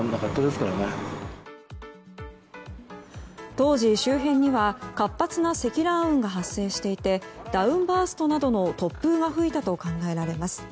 当時、周辺には活発な積乱雲が発生しておりダウンバーストなどの突風が吹いたと考えられます。